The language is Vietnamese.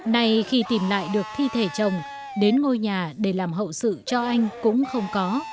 nay khi tìm lại được thi thể chồng đến ngôi nhà để làm hậu sự cho anh cũng không có